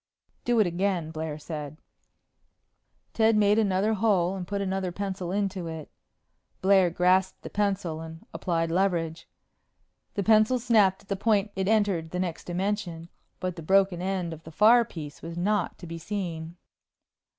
"Do it again," Blair said. Ted made another hole and put another pencil into it. Blair grasped the pencil and applied leverage. The pencil snapped at the point it entered the next dimension but the broken end of the far piece was not to be seen.